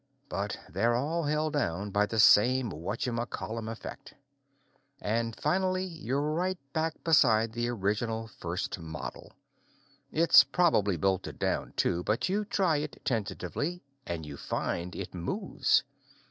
But they're all held down by the same whatchamaycallem effect. And, finally, you're right back beside the original first model. It's probably bolted down, too, but you try it tentatively and you find it moves.